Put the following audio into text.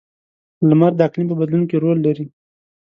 • لمر د اقلیم په بدلون کې رول لري.